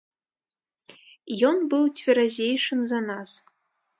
Ён быў цверазейшым за нас.